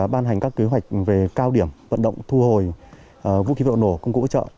ban hành các kế hoạch về cao điểm vận động thu hồi vũ khí vật liệu nổ công cụ hỗ trợ